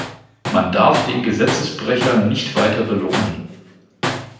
Man darf den Gesetzesbrecher nicht weiter belohnen.